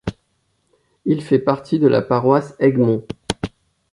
Il fait partie de la Paroisse Egmont.